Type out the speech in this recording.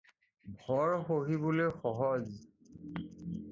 ভৰ সহিবলৈ সহজ।